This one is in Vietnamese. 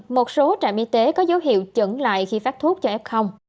một số trạm y tế có dấu hiệu chẩn lại khi phát thuốc cho f